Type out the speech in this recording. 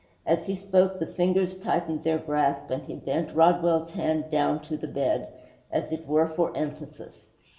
As he spoke, the fingers tightened their grasp, and he bent Rodwell's hand down to the bed, as it were for emphasis.